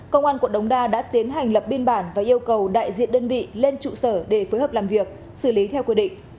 công an quận đống đa đã tiến hành lập biên bản và yêu cầu đại diện đơn vị lên trụ sở để phối hợp làm việc xử lý theo quy định